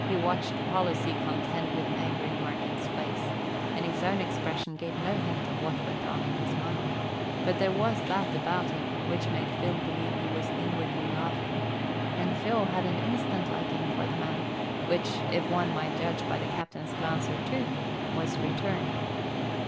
He watched policy contend with anger in Martin's face and his own expression gave no hint of what went on in his mind; but there was that about him which made Phil believe he was inwardly laughing, and Phil had an instant liking for the man, which, if one might judge by the captain's glance or two, was returned.